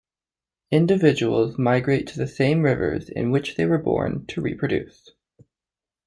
Individuals migrate to the same rivers in which they were born to reproduce.